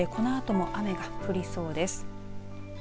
このあとも雨が降りそうです。